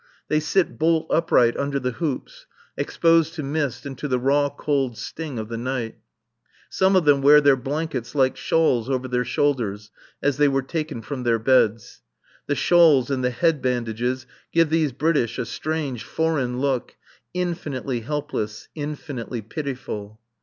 They sit bolt upright under the hoops, exposed to mist and to the raw cold sting of the night; some of them wear their blankets like shawls over their shoulders as they were taken from their beds. The shawls and the head bandages give these British a strange, foreign look, infinitely helpless, infinitely pitiful.